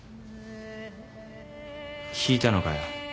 聞いたのかよ。